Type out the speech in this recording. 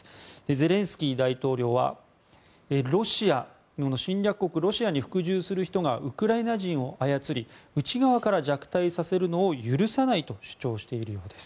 ゼレンスキー大統領は侵略国のロシアに服従する人がウクライナ人を操り内側から弱体させるのを許さないと主張しているんです。